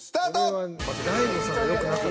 ［これは大悟さんがよくなかった］